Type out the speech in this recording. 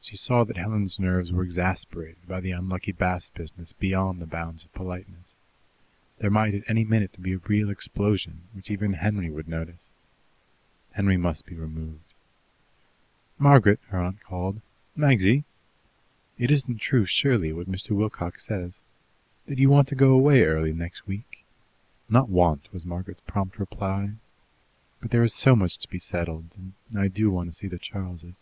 She saw that Helen's nerves were exasperated by the unlucky Bast business beyond the bounds of politeness. There might at any minute be a real explosion, which even Henry would notice. Henry must be removed. "Margaret!" her aunt called. "Magsy! It isn't true, surely, what Mr. Wilcox says, that you want to go away early next week?" "Not 'want,'" was Margaret's prompt reply; "but there is so much to be settled, and I do want to see the Charles'."